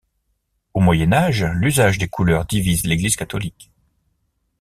Au Moyen Âge, l'usage des couleurs divise l'Église catholique.